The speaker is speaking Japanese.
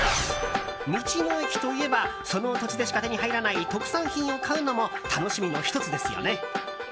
道の駅といえばその土地でしか手に入らない特産品を買うのも楽しみの１つですよね。